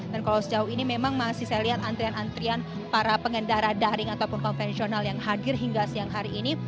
dan kalau sejauh ini memang masih saya lihat antrian antrian para pengendara daring ataupun konvensional yang hadir hingga siang hari ini